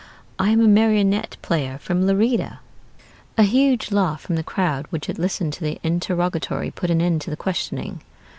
I am a marionette player from Lerida.' "A huge laugh from the crowd which had listened to the interrogatory put an end to the questioning."